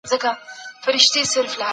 بې ننګي یې ستر تاوان وباله